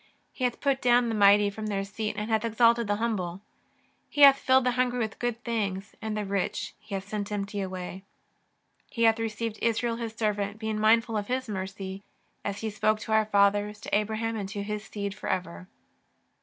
He hath put down the mighty from their seat and hath exalted the humble. He hath filled the hungry with good things, and the rich He hath sent empty away. He hath re ceived Israel His servant, being mindful of His mercy. As He spoke to our fathers, to Abraham and to his seed for ever."